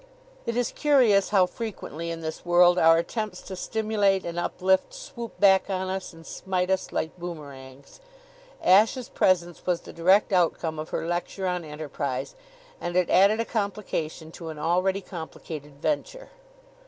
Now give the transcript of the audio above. It is curious how frequently in this world our attempts to stimulate and uplift swoop back on us and smite us like boomerangs. Ashe's presence was the direct outcome of her lecture on enterprise, and it added a complication to an already complicated venture.